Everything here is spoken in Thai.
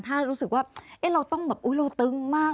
ถ้ารู้สึกว่าเราต้องแบบอุ๊ยเราตึงมาก